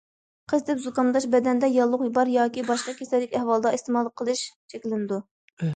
قىزىتىپ زۇكامداش، بەدەندە ياللۇغ بار ياكى باشقا كېسەللىك ئەھۋالدا ئىستېمال قىلىش چەكلىنىدۇ.